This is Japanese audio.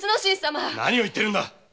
何を言ってるんだ！